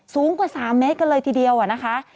สูงกว่า๓เมตรกันเลยทีเดียวนะคะ